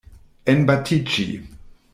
Enbatiĝi.